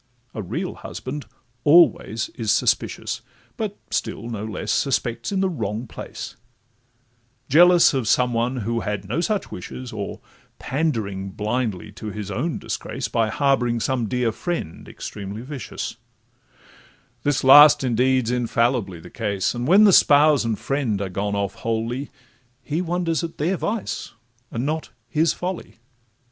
A real husband always is suspicious, But still no less suspects in the wrong place, Jealous of some one who had no such wishes, Or pandering blindly to his own disgrace, By harbouring some dear friend extremely vicious; The last indeed 's infallibly the case: And when the spouse and friend are gone off wholly, He wonders at their vice, and not his folly.